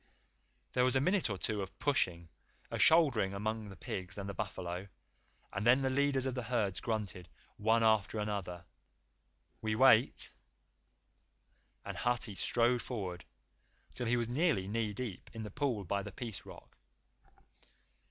There was a minute or two of pushing a shouldering among the pigs and the buffalo, and then the leaders of the herds grunted, one after another, "We wait," and Hathi strode forward, till he was nearly knee deep in the pool by the Peace Rock.